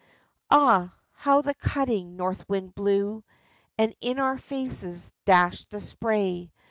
Ah, how the cutting north wind blew. And in our faces dashed the spray